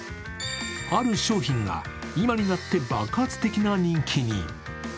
ある商品が今になって爆発的な人気に。